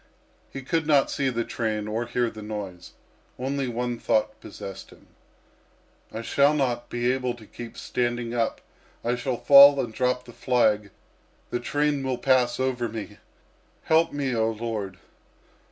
He could not see the train or hear the noise. Only one thought possessed him. "I shall not be able to keep standing up. I shall fall and drop the flag; the train will pass over me. Help me, oh Lord!"